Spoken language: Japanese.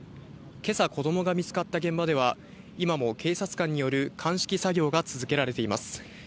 今朝、子供が見つかった現場では、今も警察官による鑑識作業が続けられています。